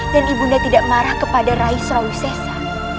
dan ibu nda tidak marah kepada rai surawi sesa